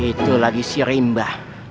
itu lagi si rimba